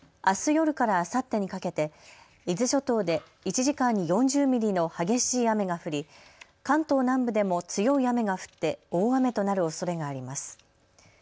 あす夜からあさってにかけて伊豆諸島で１時間に４０ミリの激しい雨が降り関東南部でも強い雨が降って大雨となるおそれがあります。